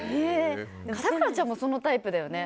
でも、咲楽ちゃんもそのタイプだよね。